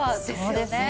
そうですね。